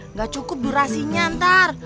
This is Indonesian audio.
nggak cukup durasinya ntar